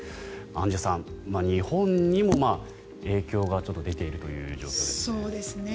アンジュさん、日本にも影響がちょっと出ているという状況ですね。